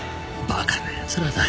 バカなやつらだ。